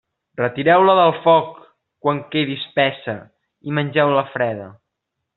Retireu-la del foc quan quedi espessa i mengeu-la freda.